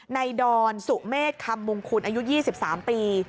ดอนสุเมษคำมงคุณอายุ๒๓ปี